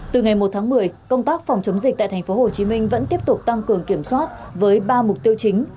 từ ngày một tháng một mươi công tác phòng chống dịch tại thành phố hồ chí minh vẫn tiếp tục tăng cường kiểm soát với ba mục tiêu chính